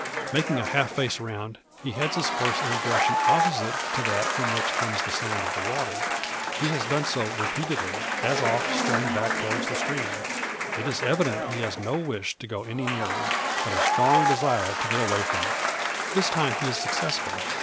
Making a half face round, he heads his horse in a direction opposite to that from which comes the sound of the water. He has done so repeatedly, as oft straying back towards the stream. It is evident he has no wish to go any nearer; but a strong desire to get away from it. This time he is successful.